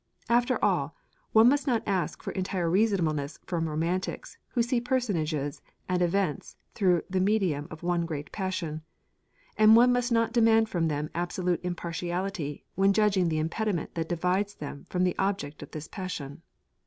After all, one must not ask for entire 'reasonableness' from Romantics, who see personages and events through the medium of one great Passion. And one must not demand from them absolute impartiality, when judging the impediment that divides them from the object of this passion.